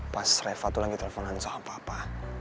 pas reva tuh lagi telfonan sama papa